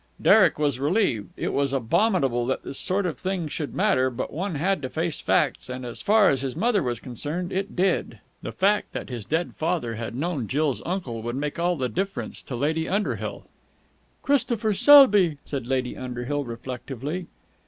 Derek was relieved. It was abominable that this sort of thing should matter, but one had to face facts, and, as far as his mother was concerned, it did. The fact that Jill's uncle had known his dead father would make all the difference to Lady Underhill. "Christopher Selby!" said Lady Underhill reflectively.